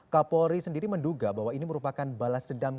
kapolri sendiri menduga bahwa ini merupakan balas dendam